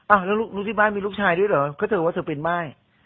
แล้วรู้ที่บ้านมีลูกชายด้วยเหรอก็เจอว่าเธอเป็นม่าย